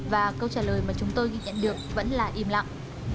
và câu trả lời mà chúng tôi ghi nhận được vẫn là im lặng